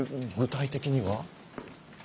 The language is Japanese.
具体的には？